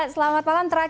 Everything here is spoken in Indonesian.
selamat malam mbak